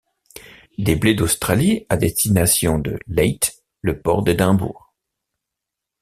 Des blés d’Australie à destination de Leith, le port d’Edimbourg.